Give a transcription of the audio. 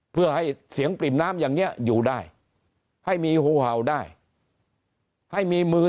เพื่อให้เสียงปริ่มน้ำอย่างนี้อยู่ได้ให้มีหูเห่าได้ให้มีมือ